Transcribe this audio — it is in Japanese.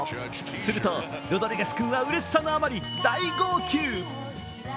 するとロドリゲス君はうれしさのあまり大号泣。